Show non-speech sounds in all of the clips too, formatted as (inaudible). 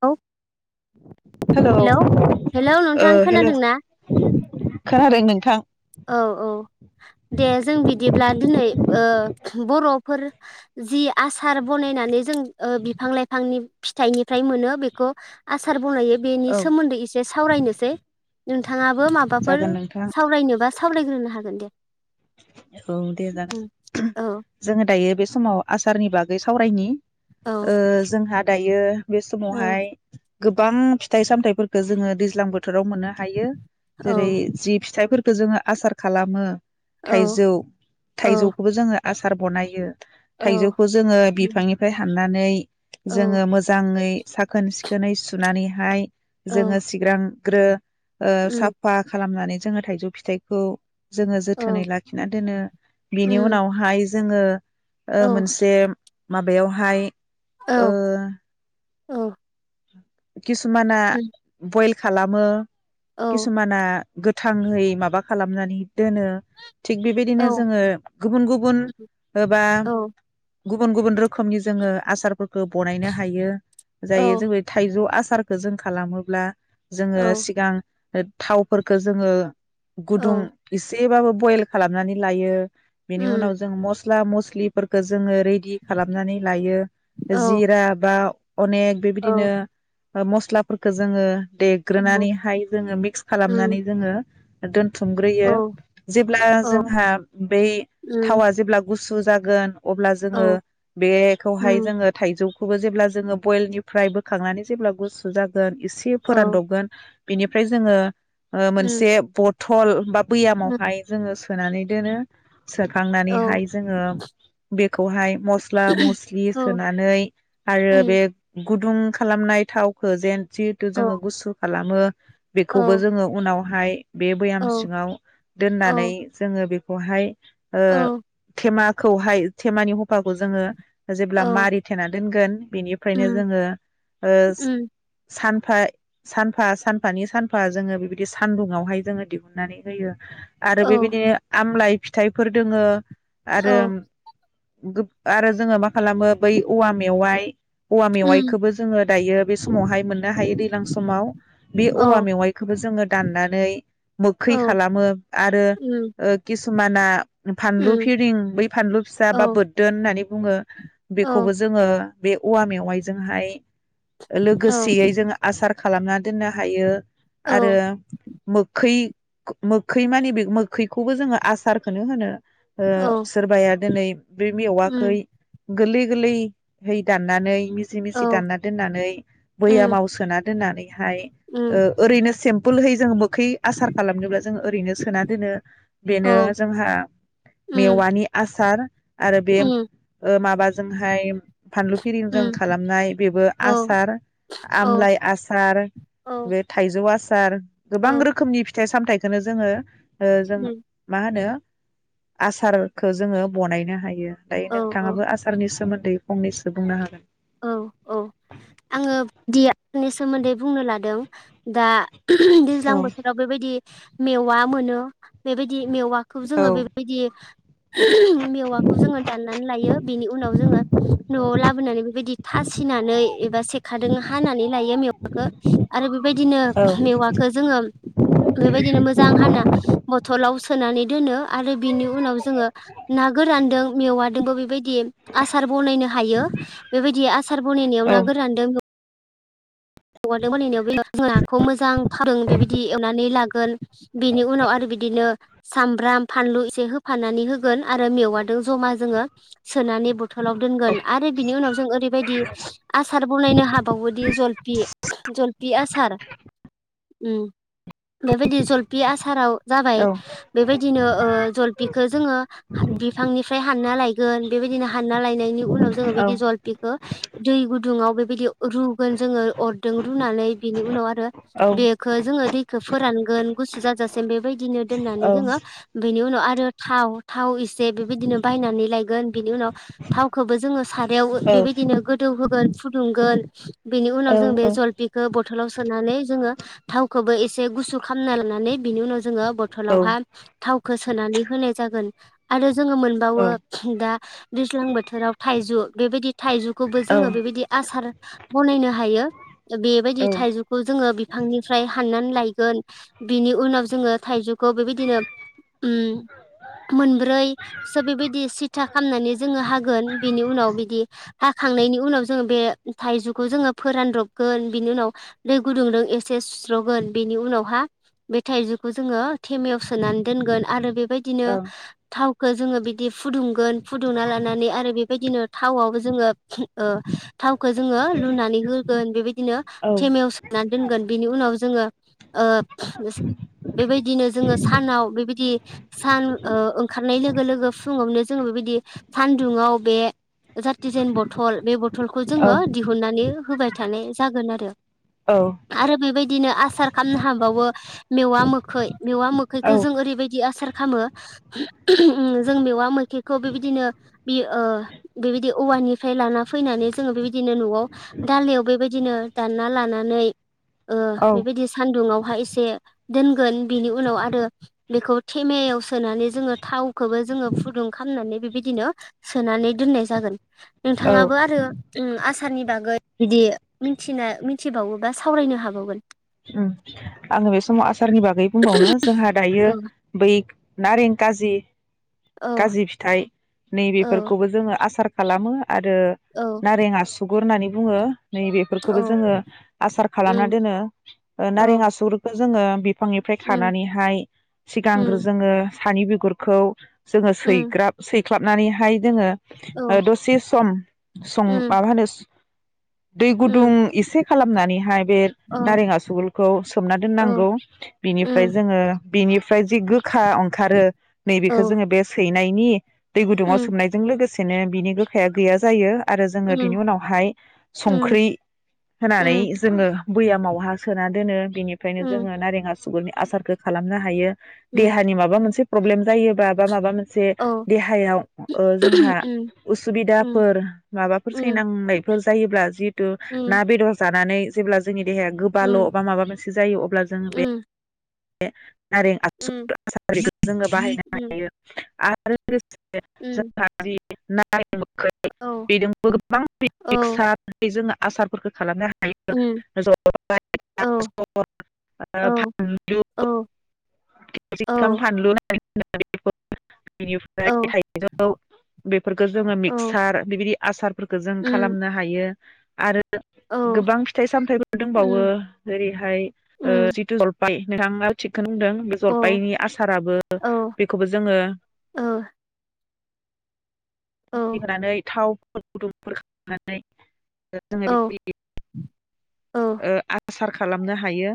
औ। Hello hello नोंथां hello खोनादोंना खोनादों नोंथां औ औ दे जों बिदिब्ला दिनै ओ बर'फोर जि आसार बनायनानै जों ओ बिफां लाइफांनि फिथाइनिफ्राय मोनो बेखौ आसार बनायो। बेनि औ सोमोन्दै एसे सावरायनोसै नोंथां थाङाबो माबाफोर जागोन नोंथां सावरायनोबा सावरायग्रोनो हागोन दे । औ दे जागोन, औ जोङो दायो बे समाव आसारनि बागै सावरायनि औ ओ जोंहा दायो बे औ समावहाय गोबां फिथाइ सामथाइफोरखौ जोङो दैज्लां बो थोराव मोननो हायो औ जेरै जि फिथाइफोरखौ जोङो आसार खालामो । औ थाइजौ औ थाइजौखौबो जोङो आसार बनायो । औ थाइजौखौ जोङो उम बिफांनिफ्राय हाननानै औ जोङो मोजाङै साखोन सिखोनै सुनानैहाय जोङो औ सिग्रां ग्रो ओ उम साफा खालामनानै जोङो थाइजौ फिथाइखौ जोङो जो थोनै औ लाखिना दोनो बिनि उम उनावहाय जोङो ओ औ मोनसे माबायावहाय औ ओ औ (unintelligible) किसुमाना उम बयेल खालामो औ किसुमाना गोथाङै माबा खालामनानै दोनो। थिग बेबायदिनो औ जोङो गुबुन गुबुन उम बा औ गुबुन गुबुन रोखोमनि जोङो आसारफोरखौ बनायनो हायो जायो औ थाइजौ आसारखौ जों खालामोब्ला जोङो औ सिगां थावफोरखौ जोङो गुदुं औ इसे एसेबाबो बयल खालामनानै लायो बेनि उम उनाव जों मस स्ला मस्लिफोरखो जों जोङो रेलि खालामनानै लायो औ जिरा बा अनेक बेबादि औ बिदिनो ओ मस्लाफोरखौ जोङो उम देग्रोनानैहाय जोङो मिक्स खालामनानै जोङो (unintelligible) औ बुथुमग्रोयो जेब्ला औ जोंहा बै उम थावा जेब्ला गुसु गुसु जागोन अब्ला जोङो औ बेखौहाय उम जोङो थाइजौ खौबो जेब्ला जोङो बयेलनि फ्राय बोखांनानै जेब्ला गुसु जागोन एसे औ उम फोरानदबगोन बिनिफ्राय जोङो ओ उम मोनसे बथ थल बा बैयामावहाय जोङो सो फोनानै दोनो औ सोखांनानैहाय जोङो बे खौहाय मस्ला मस्लि उम सोनानै आरो बे गुदुं खालामनाय थावखौ जेन जिहेतु औ जोङो गुसु खालामो बेखौबो औ जोङो उनाव फाय बे बैयाम औ औ सिङाव दोननानै जोङो बे खौहाय ओ औ उम उम औ थेमा खौहाय थेमानि हफाखौ जोङो जेब्ला मारि थेना दोनगोन बिनि फायनो जोङो ओ सान फाय सानफा सानफानि सानफा जोङो बिबायदि सानदुङावहाय जोङो दिहुननानै होयो। आरो औ उम बेबायदिनो आमलाइ फिथाइफोर दोङो। औ औ उम औ आरो गोब आरो जोङो मा खालामो बै औवा मेवाइ औवा औ उम बे समावहाय मोन नो हायो दैलां समाव बे औवा मेवाइखौबो जोङो दाननानै मोखै खालामो आरो ओ खिसुमाना फानलु फरिं बै फानलु फिसा बा बोरदोन होननानै बुङो। बेखौबो जोङो बे औवा मेवाइजोंहाय लोगोसेयै जों आसार खालामनानै दोननो हायो आरो मोखै मोखै मानि बे मोखैखौबो जोङो आसारखौनो होनो। ओ सोरबाया दिनै बे मेवाखै गोरलै गोरलै । है दाननानै। मिजि औ मिज उम दानना दोननानै बैयामाव सोना। दोननानै। ओमफ्राय उम औ उम ओ ओरैनो बुलहै जों। खै आसार खालामनोब्ला जों ओरैनो सोना दोनो बेनो जोंहा मेवानि आसार। आरो बे उम ओ माबा। जोंहाय। फानलु फिरिजों उम खालामनाय बेबो औ आसार औ औ उम आमलाइ आसार औ बे थाइजौ आसार। आसार। गोबां रोखोमनि। फिथाइ सामथाइखोनो जोङो। जोङो मा होनो। आसारखौ जोङो बनायनो हायो। दायो औ नोंथाङाबो आसारनि सोमोन्दै? फंनैसो बुंनो हागोन। औ-औ आङो दियानि सोमोन्दै बुंनो लादों दा। दैज्लां औ बोथोराव बेबायदि। मेवा मोनो बेबायदि। मेवाखौ औ जोङो बेबायदि। मेवाखौ जोङो दाननानै लायो बेनि उनाव जोङो नआव लाबोनानै। बेबायदि थासिनानै एबा सेखादों हानानै लायो मेवाखो आरो बेबायदिनो औ मेवाखौ जोङो बेबायदिनो मोजां हा बथलाव। सोनानै दोनो आरो बिनि उनाव जोङो ना गोरानदों मेवादोंबो बेबायदि। बिदि आसार बनायनो। हायो। बेबायदि आस आसार बनायनायाव औ ना गोरानदों। हगारदों मालायनायाव जों नाखौ मोजां फारों बेबायदि एवनानै लागोन। बिनि उनाव आरो बिदिनो। सामब्राम फानलु एसे होफानानै होगोन आरो मेवाजों जमा जोङो सोनानै। बथलाव दोनगोन आरो बिनि उनाव जों ओरैबायदि आसार बनायनो हाबावोदि जलफि। जलफि आसार उम बेबायदि जलफि आसाराव जाबाय बेबायदिनो जलफिखौ जोङो बिफांनिफ्राय हानना लायो। गोन बेबायदिनो हानना लायनाय। नि उनाव जों बिदि जलफिखो दैबो गुदुङाव बेबायदि रुगोन जोङो अ दों रुनानै बिनि उनाव आरो औ बेखौ जोङो दैखौ फोरानगोन गुसु जाजासिम बेबायदि बिदिनो दोननानै औ जोङो बेनि उनाव आरो थाव थाव एसे बेबायदिनो बायनानै लाय गोन बिनि उनाव थावखौबो जोङो साराव बेबायदिनो गोदौ होगोन। फुदुंगोन बेनि उनाव जों बे ओ बथलाव सोनानै जोङो थावखौबो एसे गुसु खालामना लानानै बिनि उनाव जोङो बथलावहा थावखौ सोनानै होनाय जागोन। आरो जोङो मोनबावो दा दैज्लां बोथोराव थाइजु। बेबायदि थाइजुखौबो जोङो बेबायदि आसार बनायनो हायो। बेबायदि थाइजुखौ जोङो बिफांनिफ्राय हाननानै लायो। गोन बिनि उनाव जोङो थाइजौखौ बेबायदिनो ओम मोनब्रैसो बेबायदि सिथा खालामनानै जोङो हागोन बिनि उनाव बिदि हाखांनायनि उनाव जोङो बे थाइजौखौ जोङो फोरानदब गोन बिनि उनाव दै गुदुंजों एसे सुस्र'गोन बेनि उनावहा बे थाइजौखौ जोङो थेमायाव सोनानै दोनगोन आरो बे बेबायदिनो थाव खौ जोङो बिदि फुदुं गोन फुदुंना लानानै आरो बेबायदिनो थावाव जोङो ओ थावखौ जोङो रुनानै हो गोन बेबायदिनो थेमायाव सोनानै दोनगोन बेनि उनाव जोङो ओ बेबायदिनो जोङो सानाव बेबायदि सान ओ ओंखारनाय लोगो लोगो फुङावनो जोङो बेबायदि सानदुंआव बे जाथिजेन बथल बे बर थलखौ जोङो औ दिहुननानै होबाय। थानाय जागोन आरो औ औ आरो बेबायद दिनो आसा सार खालामनो हाबावो। मेवा मोखै मेवा मोखैखौ औ जों ओरैबायदि आसार खामो ओम जों मेवा मोखैखौ बेबायदिनो बे ओे बेबायदि औवानिफ्राय लाना फैनानै जोङो बेबायदिनो न'आव दालायाव बेबायदिनो दानना लानानै ओ औ बेबायदि सान्दुङावहाय एसे से दोनगोन बेनि उनाव आरो बेखौ थेमायाव सोनानै जोङो थावखौबो जोङो फुदुं खालामनानै बेबायदिनो सोनानै दोननाय जागोन। औ नोंथाङाबो आरो ओम आस आसारनि बागै बिदि मिथिना मिथिबावोबा सावरायनो हाबावगोन। ओम आङो बे समाव आसारनि बागै बुंबावनो जोंहा दायो औ बै नारें काजि औ खाजि फिथाइ नै औ बेफोरखौबो जोङो आसार खालामो आरो औ नारें आसु गुर होननानै बुङो। नैबेफोरखौबो औ जोङो आसार खालामना उम दोनो औ नारें आसुगुरखो जोङो बिफांनिफ्राय उम खानानैहाय सिगांग्रो उम जोङो। सानि बिगुरखौ जोङो उम सैग्राब सै ख्लाबनानैहाय जोङो औ दसे सम सं उम माबा होनो दै गुदुं उम एसे खालामनानैहाय बे औ नारें आसुगुरखौ सोमना औ दोननांगौ बिनिफ्राय उम जोङो बिनिफ्राय जि गो (unintelligible) ओंखारो औ नैबेखो जोङो बे सै नायनि दै गुदुङाव उम सोमनायजों लोगोसे बिनो बिनि गोखाया गैया जायो आरो जोङो बिनि उम उनावहाय उम संख्रि होनानै उम जोङो बैयामाव हा सोना दोनो बेनिफ्रायनो उम जोङो नारें आसुगुरनि आसारखौ खालामनो हायो। उम देहानि माबा मोनसे प्रब्लेम जायोबा बा माबा मोन से औ देहायाव ओ जोंहा उम उम उसुबिदाफोर माबाफोर उम (unintelligible) फोर जायोब्ला जि थु उम ना बेदर जाथ नानै जेब्ला जोंनि देहाया बाल उम बा माबा मोनसे जायो अब्ला जोङो बे उम (inaudible) उम (unintelligible) जोङो उम बाहायनो हायो उम आरो औ आरो (unintelligible) औ (inaudible) (unintelligible) उम आसारफोरखौ खालामनो औ हा औ (unintelligible) (unintelligible) औ औ (unintelligible) बिनिफ्राय औ थाइजौ औ बेफोरखौ जोङो औ मिक्सार बेबायदि आसारफोरखौ जों उम खालामनो हायो। आरो औ गोबां फिथाइ सामथायाइफोर दोंबावो उम जेरैहाय उम जल बाय (unintelligible) (unintelligible) बे औ जलफायनि आसाराबो औ ओ बेखौबो जोङो औ (unintelligible) थाव गुदुंफोर खालामनानै जोङो औ (unintelligible) औ ओ‌ आसार खालामनो हायो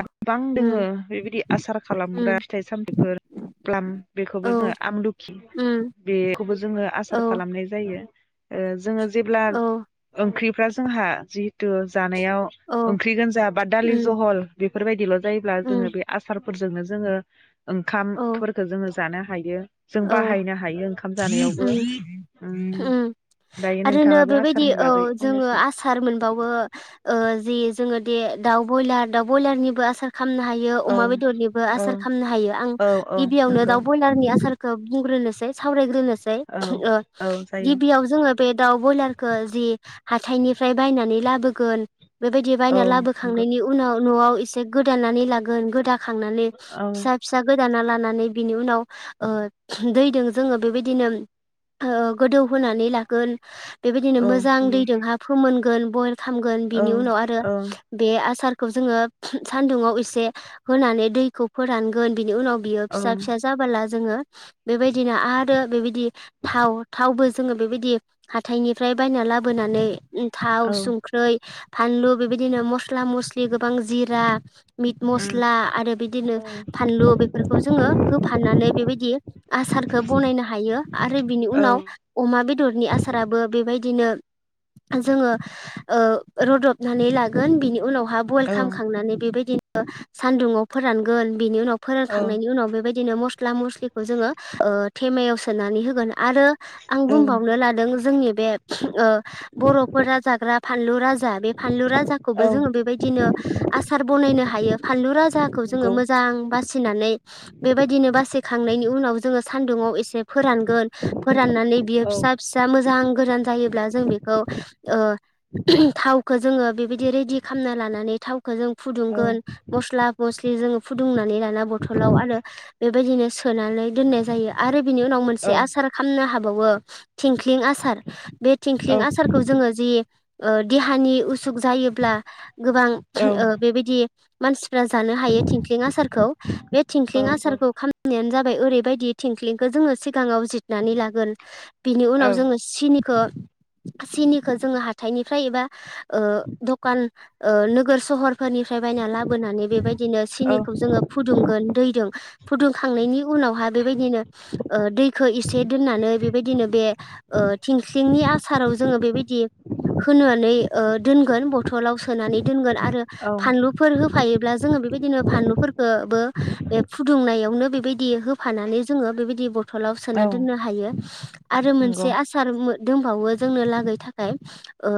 आरो गोबां दोङो उम बेबायदि आसार खालामग्रा उम फिथाइ सामथाइफोर प्लाम औ बेखौबो जोङो आमलुखि उम बे खौबो जोङो औ आसार खालामनाय जायो (unintelligible) ओ जोंङो जेब्ला ओंख्रि (unintelligible) जोंहा जिहेथु जान नायाव औ ओंख्रि गोनजा बा दालि उम जहल बे बेफोरबायदिल' जायोब्ला जोङो उम बे आसार फोरजोंनो जोङो औ ओंखामफोरखौ जोङो जानो हायो जों औ बाहायनो हायो जानायावबो उम उम दायो आरोनो नोंथाङाबो बेबायदि आसारनि औ बागै जोङो फंनैसो आसार मोनबावो ओ जे जोङो दे दाउ ब्रयलार दाउ ब्रयलारनिबो आसार खालामनो हायो औ अमा बेदरनिबो औ आसार खालामनो हायो आं औ औ गिबियावनो नंगौ दाउ ब्रयलारनि आसार खौ बुंग्रोनोसै सावरायग्रोनो जाय औ अ औ जायो गिबियाव जोङो बे दाउ ब्रयलारखौ जि हाथाथायनि । ओमफ्राय बायनानै लाबोगोन बेबायदि औ बायनानै नंगौ लाबोखांनायनि उनाव न'आव एसे गोदानानानै लागोन गोदान खांनानै औ फिसा फिसा गो दाना लानानै बिनि उनाव ओ दैजों जोङो बेबायदिनो ओ गोदौहोनानै लागोन । बेबायदिनो औ मोजां नंगौ दैदोंहा फोमोन गोन बयल खालामगोन औ बिनि उनाव आरो औ बे आसार खौ जोङो सान्दुुंङाव एसे होनानै दैखौ फोरानगोन । बिनि उनाव बियो औ फिसा फिसा जाबाला जोङो बेबायदिनो आरो बेबायदि थाव थावबो जोङो बेबायदि हाथाइनिफ्राय बायना लाबोनानै उम थाव औ संख्रै फानलु बेबायदिनो मस्ला मस्लि गोबां जिरा । मिट उम मस्ला आरो बिदिनो औ फानलु बेफोरखौ जोङो होफानानै बेबायदि । आसारखौ बनायनो हायो आरो बिनि औ उनाव अमा बेदरनि आसाराबो बेबायदि नो जोङो ओ रदबनानै लागोन बिनि उनाव हाब औ बयल खालामखांनानै बेबायदि ओ सान्दुङाव फोरानगोन बिनि उनाव औ फोरानखांनायनि उनाव बेबायदिनो मस्ला मस्लि जोङोे थेमायाव सोनानै होगोन । आरो आं औ बुंबावनो लादों जोंनि बे बर'फोरा जाग्रा फानलु राजा बे फानलु राजाखौबो औ जोङो बेबायदिनो आसार बनायनो हायो फानलु राजाखौ जोङो नंगौ मोजां बासिनानै बेबायदिनो बासि बेनि उनाव जोङो सान्दुङाव ए से फोरानगोन फोरनानै बियो औ फिसा फिसा मोजां गोरान जायोब्ला जों बेखौ ओ थावखौ जोङो बेबायदि रेदि खालामना लानानै थाव खौ जों औ फुदुंगोन मस्ला मस्लि जों फुदुंनानै लाना बथलाव आरो बेबायदिनो सोनानै दोननाय जायो । आरो बिनि उनाव मोनसे औ आसार खालामनो हाबावो । थिंख्लिं आसार बे औ थिंख्लिं आसारखौ जोङो जि ओ देहानि उसुख जायोब्ला गोबां ओ औ बेबायदि मानसि फ्रा जानो हायो थिंख्लिं आसारखौ बे थिंख्लिं आसारखौ खाम बेनो जाबाय ओरैबायदि थिंखलिंखौ जोङो सिगाङाव जिरनानै लागोर बिनि उनाव औ जोङो सिनि खौ सिनिखौ जोङो हाथाइनिफ्राय एबा ओ दखान ओ नोगोर सहरफोरनिफ्राय बायना लाबोनानै बेबायदिनो औ सिनिखौ जोङो फुदुंगोन दैदों फुदुं खांनायनि उनावहा बेबायदिनो ओ दैखौ एसे दोननानै बेबायदिनो बे ओ थिंख्लिंनि आसाराव जोङो बेबायदि होनानै ओ दोनगोन बथलाव सोनानै दोनगोन आ रो औ फानलुफोर होफायोब्ला जोङो बे बेदिनो फानलुफोरखौबो बे फुदुंनायावनो बेबायदि होफानानै जोङो बेबायदि ब थलाव सोना दोननो हायो आरो नंगौ मोनसे आसार मो दंबावो जोंनो लागै थाखाय ओ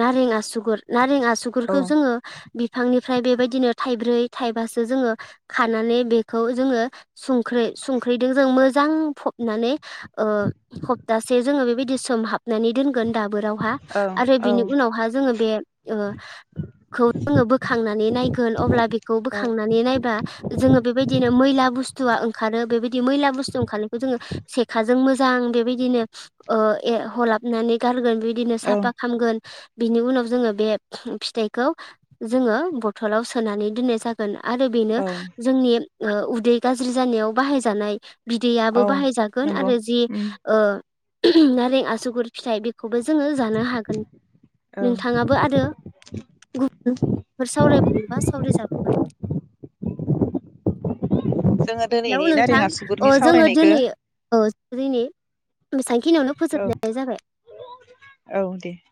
नारें आसुगुर नारें आ औ सुगुरखौ जोङो बि फांनिफ्राय बेबायदिनो थाइब्रै थाइबासो जोङो खानानै बेखौ जोङो संख्रै संख्रैदों जों मोजां फबनानै ओ हप्तासे जोङो बेबायदि सोमहाबनानै दोनगोन दाबोराव आ औ आरो बिनि उनावहा जोङो बे ओ खौ जोङो बोखांनानै नै नायगोन अब्ला बि खौ बोखांनानै नाय बा जोङो बेबायदि दिनो मैला बुस्थुआ ओंखारो बेबायदि मैला बुस्थु ओंखारनायखौ जोङो सेखाजों मोजां बेबायदिनो ओ ए हलाबनानै गारगोन बे दिनो औ साफा खालामगोन बिनि उनाव जोङो बे फिथाइखौ जोङो बथलाव सोनानै दोननाय जागोन आरो बेनो औ जोंनि ओ उदै गाज्रि जानायाव बाहायजानाय औ बिदैयाबो बाहायजागोन नंगौ आरो जि उम ओ (unintelligible) नारें आसुगुर फिथाइ बेखौबो जोङो जानो हागोन औ नोंथाङाबो आरो गुबुनफोर सावरायबावनोबा सावरायजाबावगोन जोङो हेलौ दिनैनि नोंथां नारें आसुगुरनि अ जोङो सावरायनायखौ दिनै औ दिनै (unintelligible) बेखिनियावनो फोजोबनाय जाबाय। औ औ दे